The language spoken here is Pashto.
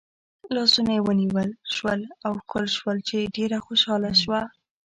لاسونه یې ونیول شول او ښکل شول چې ډېره خوشحاله شوه.